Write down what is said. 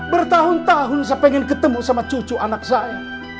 bertahun tahun saya ingin ketemu sama cucu anak saya